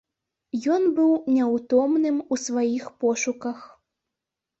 Ён быў няўтомным у сваіх пошуках.